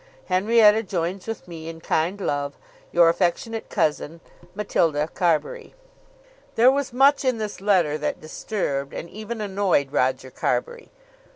Henrietta joins with me in kind love. Your affectionate cousin, MATILDA CARBURY. There was much in this letter that disturbed and even annoyed Roger Carbury.